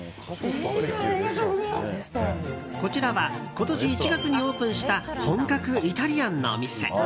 こちらは今年１月にオープンした本格イタリアンのお店。